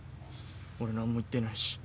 俺何も言ってないし。